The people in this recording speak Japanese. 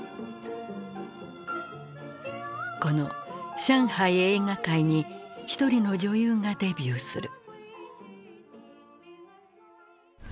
この上海映画界に１人の女優がデビューする。